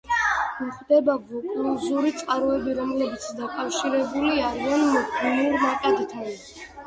გვხვდება ვოკლუზური წყაროები, რომლებიც დაკავშირებული არიან მღვიმურ ნაკადთან.